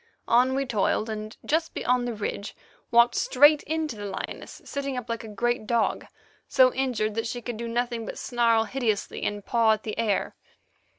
On we toiled, and, just beyond the ridge, walked straight into the lioness, sitting up like a great dog, so injured that she could do nothing but snarl hideously and paw at the air.